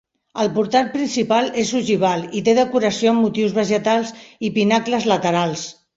El portal principal és ogival i té decoració amb motius vegetals i pinacles laterals.